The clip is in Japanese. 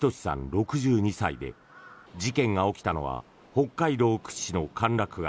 ６２歳で事件が起きたのは北海道屈指の歓楽街